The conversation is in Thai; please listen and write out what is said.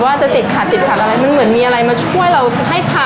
ว่าจะติดขัดติดขัดอะไรมันเหมือนมีอะไรมาช่วยเราให้ผ่าน